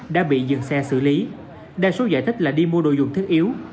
đã bị dừng xe xử lý đa số giải thích là đi mua đồ dùng thiết yếu